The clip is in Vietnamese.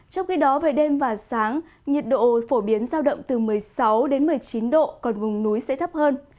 trong khi đó về đêm và sáng nhiệt độ phổ biến giao động từ một mươi sáu đến một mươi chín độ còn vùng núi sẽ thấp hơn